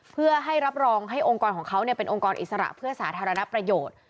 เพื่อให้รับรองให้องค์กรของเขาเป็นองค์กรอิสระเพื่อสาธารณประโยชน์